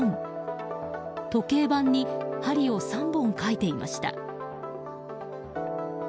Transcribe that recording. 時計盤に針を３本書いていました。